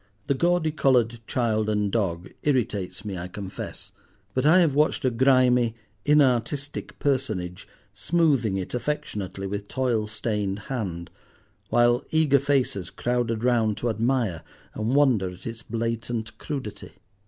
The gaudy coloured child and dog irritates me, I confess; but I have watched a grimy, inartistic personage, smoothing it affectionately with toil stained hand, while eager faces crowded round to admire and wonder at its blatant crudity.